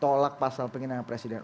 tolak pasal penghinaan presiden